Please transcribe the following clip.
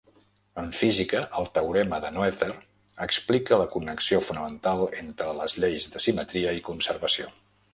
En física, el teorema de Noether explica la connexió fonamental entre les lleis de simetria i conservació.